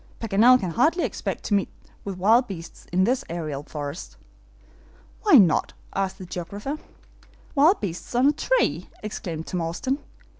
Paganel can hardly expect to meet with wild beasts in this aerial forest." "Why not?" asked the geographer. "Wild beasts on a tree!" exclaimed Tom Austin.